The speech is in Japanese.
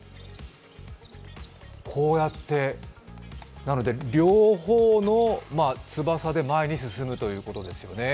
こうやって、なので両方の翼で前に進むということですよね。